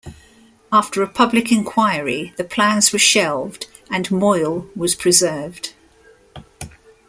After a public enquiry the plans were shelved and Moyle was preserved.